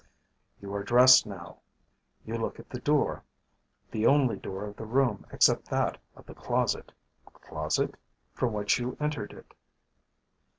You are dressed now. You look at the door the only door of the room except that of the closet (closet?) from which you entered it.